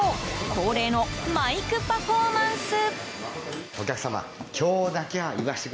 恒例のマイクパフォーマンス。